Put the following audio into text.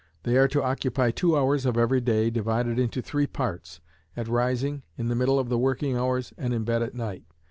They are to occupy two hours of every day, divided into three parts; at rising, in the middle of the working hours, and in bed at night.